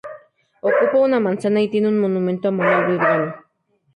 Ocupa una manzana y tiene un monumento a Manuel Belgrano.